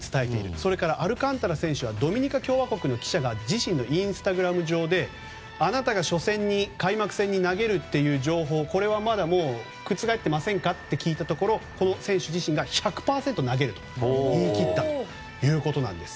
それからアルカンタラ選手はドミニカ共和国の記者が自身のインスタグラム上であなたが初戦に開幕戦に投げるという情報これは覆っていませんか？って聞いたところこの選手自身が１００％投げると言い切ったということです。